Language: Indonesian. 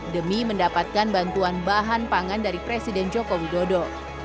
demi mendapatkan bantuan bahan pangan dari presiden jokowi dodo